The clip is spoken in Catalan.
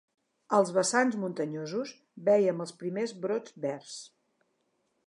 Als vessants muntanyosos, vèiem els primers brots verds